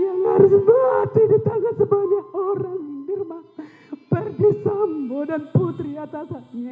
yang harus berarti di tangan sebanyak orang firma perdi sambo dan putri atasannya